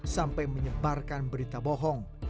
sampai menyebarkan berita bohong